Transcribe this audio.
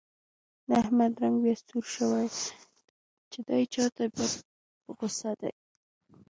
د احمد رنګ بیا سور شوی، چې دی چا ته په غوسه دی.